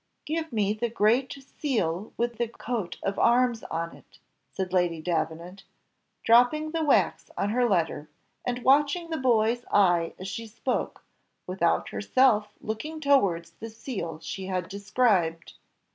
"Give me the great seal with the coat of arms on it," said Lady Davenant, dropping the wax on her letter, and watching the boy's eye as she spoke, without herself looking towards the seal she had described.